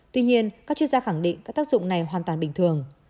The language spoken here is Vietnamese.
tuy nhiên các chuyên gia khẳng định các tác dụng này hoàn toàn bình thường